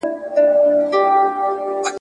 دا واښه له هغه پاکه ده.